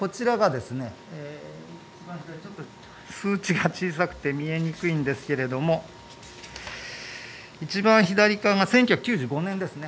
数値が小さくて見えにくいんですけど一番左側が１９９５年ですね。